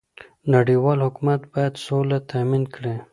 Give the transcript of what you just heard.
نړيوال حکومت بايد سوله تامين کړي.